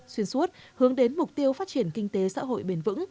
xuyên suốt hướng đến mục tiêu phát triển kinh tế xã hội bền vững